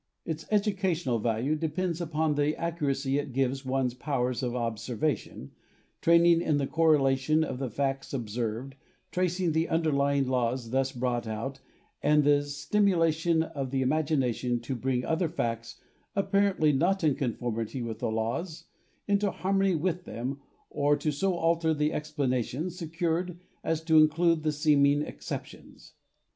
Its educational value depends upon the accuracy it gives one's powers of observation, training in the correlation of the facts observed, tracing the underlying laws thus brought out, and the stimulation of the imagination to bring other facts, apparently not in conformity with the laws, into harmony with them or to so alter the explana tions secured as to include the seeming exceptions.